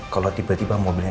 kalau tiba tiba mobilnya